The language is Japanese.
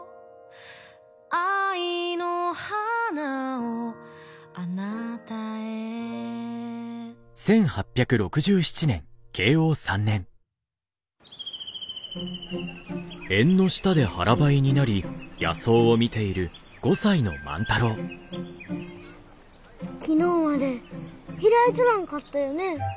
「愛の花を貴方へ」昨日まで開いちょらんかったよね？